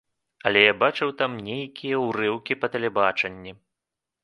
Але я бачыў там нейкія ўрыўкі па тэлебачанні.